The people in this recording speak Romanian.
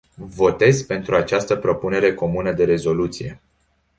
Votez pentru această propunere comună de rezoluție.